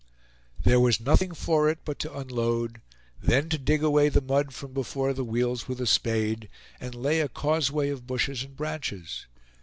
There was nothing for it but to unload; then to dig away the mud from before the wheels with a spade, and lay a causeway of bushes and branches.